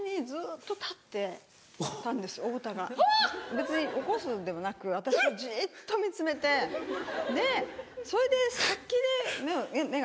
別に起こすんでもなく私をじっと見つめてでそれで殺気で目が覚めた。